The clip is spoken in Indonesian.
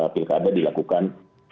pilihan ada dilakukan